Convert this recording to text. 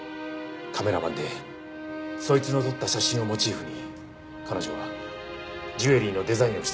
カメラマンでそいつの撮った写真をモチーフに彼女はジュエリーのデザインをしていたようだ。